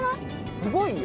すごいよ。